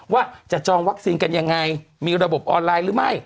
ว่าจะจองวัคซีนกันยังไงมีระบบออนไลน์หรือไม่